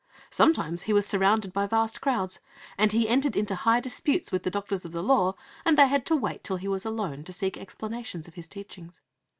Sometimes He was surrounded by vast crowds, and He entered into high disputes with the doctors of the law, and they had to wait till He was alone to seek explanations of His teachings.